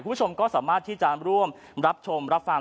คุณผู้ชมก็สามารถที่จะร่วมรับชมรับฟัง